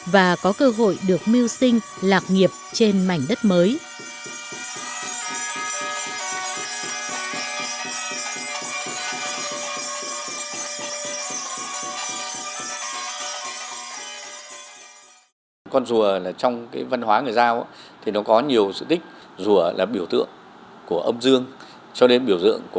và có cơ hội được mưu sinh lạc nghiệp trên mảnh đất mới